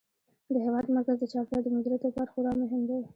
د هېواد مرکز د چاپیریال د مدیریت لپاره خورا مهم دی.